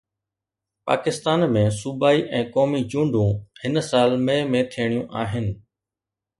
پاڪستان ۾ صوبائي ۽ قومي چونڊون هن سال مئي ۾ ٿيڻيون آهن